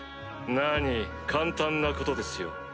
何簡単なことですよ。